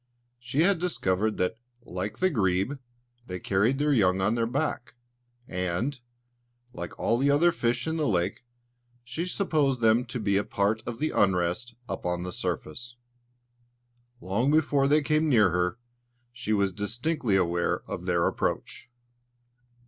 She had discovered that, like the grebe, they carried their young on their back; and, like all the other fish in the lake, she supposed them to be a part of the unrest up on the surface. Long before they came near her, she was distinctly aware of their approach.